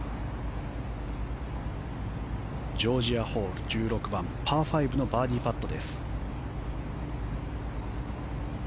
ジョージア・ホールの１６番パー５のバーディーパット。